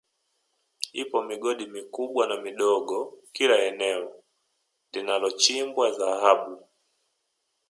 Ipo migodi mikubwa na midogo kila eneo linalochimbwa Dhahabu